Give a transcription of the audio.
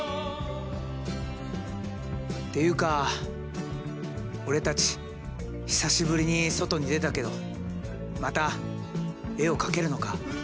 っていうか俺たち久しぶりに外に出たけどまた絵を描けるのか？